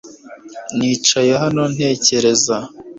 Nicaye hano ntekereza .